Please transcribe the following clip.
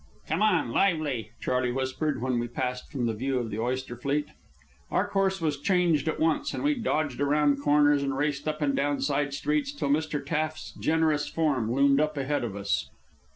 "Come on! Lively!" Charley whispered, when we passed from the view of the oyster fleet. Our course was changed at once, and we dodged around corners and raced up and down side streets till Mr. Taft's generous form loomed up ahead of us.